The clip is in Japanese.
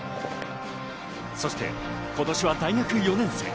そして今年は大学４年生。